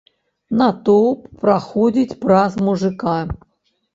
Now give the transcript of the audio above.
Натоўп праходзіць праз мужыка.